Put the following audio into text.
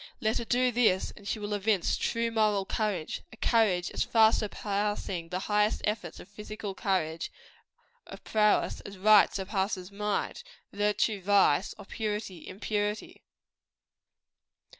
Let her do this, and she will evince true moral courage; a courage as far surpassing the highest efforts of physical courage of prowess, as right surpasses might; virtue, vice; or purity, impurity.